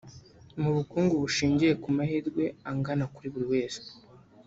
Mu Bukungu bushingiye ku mahirwe angana kuri buri wese